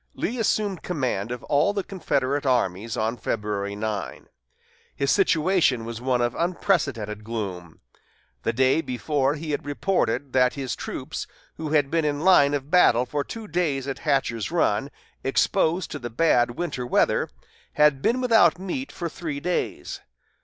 Lee assumed command of all the Confederate armies on February 9. His situation was one of unprecedented gloom. The day before he had reported that his troops, who had been in line of battle for two days at Hatcher's Run, exposed to the bad winter weather, had been without meat for three days.